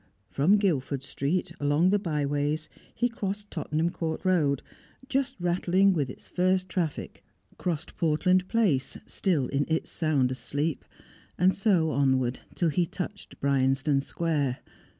From Guildford Street, along the byways, he crossed Tottenham Court Road, just rattling with its first traffic, crossed Portland Place, still in its soundest sleep, and so onward till he touched Bryanston Square.